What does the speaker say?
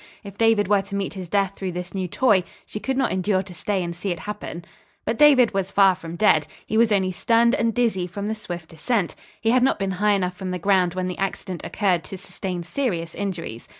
If David were to meet his death through this new toy, she could not endure to stay and see it happen. But David was far from dead. He was only stunned and dizzy from the swift descent. He had not been high enough from the ground when the accident occurred to sustain serious injuries.